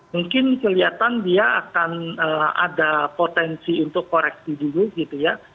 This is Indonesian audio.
mungkin kelihatan dia akan ada potensi untuk koreksi dulu gitu ya